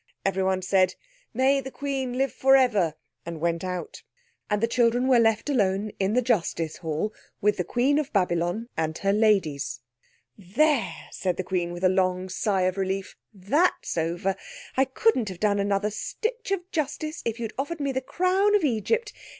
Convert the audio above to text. Everyone said, "May the Queen live for ever!" and went out. And the children were left alone in the justice hall with the Queen of Babylon and her ladies. "There!" said the Queen, with a long sigh of relief. "That's over! I couldn't have done another stitch of justice if you'd offered me the crown of Egypt!